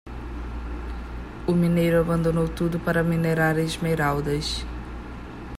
O mineiro abandonou tudo para minerar esmeraldas.